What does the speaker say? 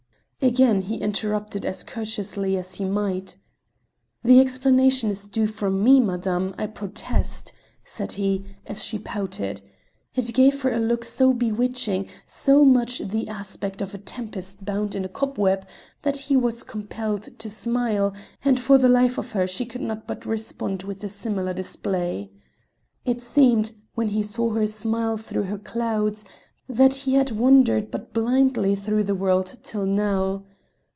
Again he interrupted as courteously as he might. "The explanation is due from me, madame: I protest," said he, and she pouted. It gave her a look so bewitching, so much the aspect of a tempest bound in a cobweb, that he was compelled to smile, and for the life of her she could not but respond with a similar display. It seemed, when he saw her smile through her clouds, that he had wandered blindly through the world till now.